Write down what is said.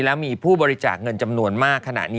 และมีผู้บริจาคเงินจำนวนมากขณะนี้